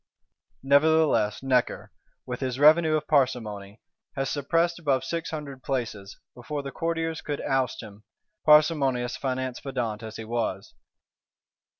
Nevertheless Necker, with his revenue of parsimony, has "suppressed above six hundred places," before the Courtiers could oust him; parsimonious finance pedant as he was.